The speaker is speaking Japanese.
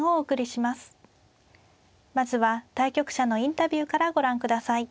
まずは対局者のインタビューからご覧ください。